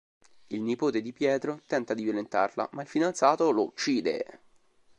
Il nipote di Pietro tenta di violentarla ma il fidanzato lo uccide.